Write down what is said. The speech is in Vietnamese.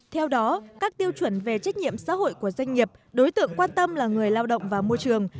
theo đó các tiêu chuẩn về trách nhiệm xã hội của doanh nghiệp đối tượng quan tâm là người lao động và môi trường